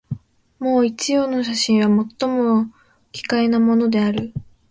もう一葉の写真は、最も奇怪なものである